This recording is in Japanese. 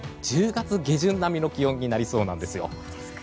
１０月下旬並みの気温になりそうです。